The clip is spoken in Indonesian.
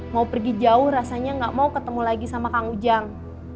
mau pergi jauh rasanya gak mau ketemu lagi sama kang ujang